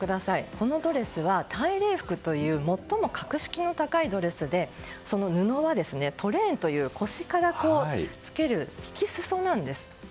このドレスは大礼服という最も格式の高いドレスでその布は、トレーンという腰からつける、引き裾なんです。